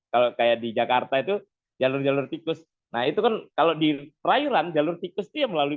kalau kayak di jakarta itu jalur jalur tikus nah itu kan kalau di perairan jalur tikus dia melalui